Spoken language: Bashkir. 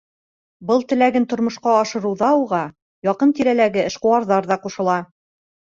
Был теләген тормошҡа ашырыуҙа уға яҡын-тирәләге эшҡыуарҙар ҙа ҡушыла.